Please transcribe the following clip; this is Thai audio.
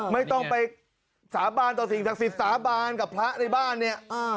ไม่ต้องไปสาบานต่อสิ่งศักดิ์สิทธิ์สาบานกับพระในบ้านเนี่ย